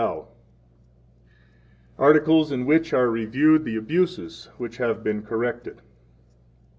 ARTICLES IN WHICH ARE REVIEWED THE ABUSES WHICH HAVE BEEN CORRECTED.